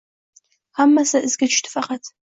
Hammasi izga tushdi, faqat